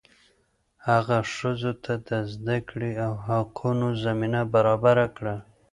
هغه ښځو ته د زده کړې او حقونو زمینه برابره کړه.